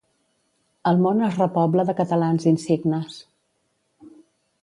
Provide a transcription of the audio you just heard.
El món es repobla de catalans insignes.